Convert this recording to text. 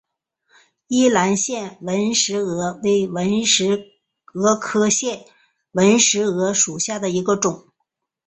宜兰腺纹石娥为纹石蛾科腺纹石蛾属下的一个种。